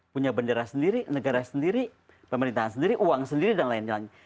punya bendera sendiri negara sendiri pemerintahan sendiri uang sendiri dan lain lain